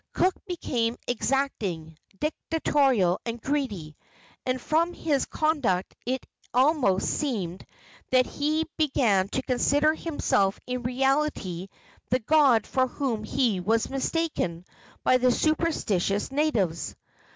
Cook became exacting, dictatorial and greedy, and from his conduct it almost seemed that he began to consider himself in reality the god for whom he was mistaken by the superstitious natives.